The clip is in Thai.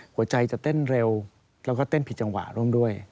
หัวใจจะเต้นเร็วแล้วก็เต้นผิดจังหวะร่วมด้วย